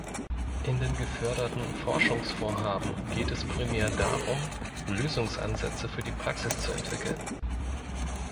In den geförderten Forschungsvorhaben geht es primär darum, Lösungsansätze für die Praxis zu entwickeln.